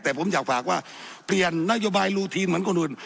แต่ผมอยากฝากว่าเปลี่ยนนโยบายรูทีมเหมือนคนอื่น